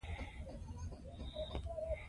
که یوه کړۍ ماته شي ځنځیر ماتیږي.